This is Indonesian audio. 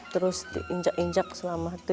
terus di injak injak selama tujuh